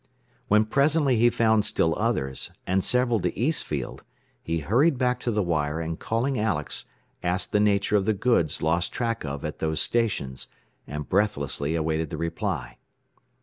When presently he found still others, and several to Eastfield, he hurried back to the wire and calling Alex asked the nature of the goods lost track of at those stations, and breathlessly awaited the reply.